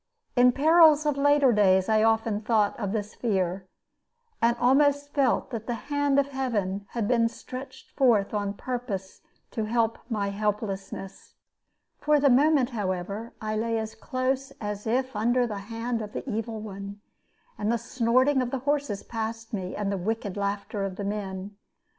In perils of later days I often thought of this fear, and almost felt that the hand of Heaven had been stretched forth on purpose to help my helplessness. For the moment, however, I lay as close as if under the hand of the evil one; and the snorting of the horses passed me, and wicked laughter of the men.